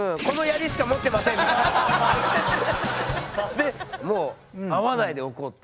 でもう会わないでおこうって。